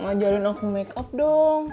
ajarin aku makeup dong